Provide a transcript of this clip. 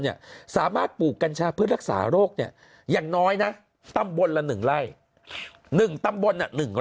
สามารถปลูกกัญชาเพื่อรักษาโรคเนี่ยอย่างน้อยนะตำบลละ๑ไร่๑ตำบล